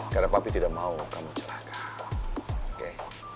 karena papi tidak mau kamu celaka oke